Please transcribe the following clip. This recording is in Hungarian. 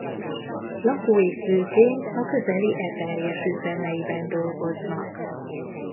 Lakói főként a közeli Eperjes üzemeiben dolgoznak.